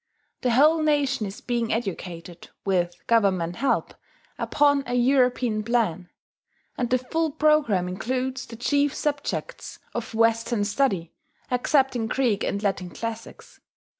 The whole nation is being educated, with Government help, upon a European plan; and the full programme includes the chief subjects of Western study, excepting Greek and Latin classics.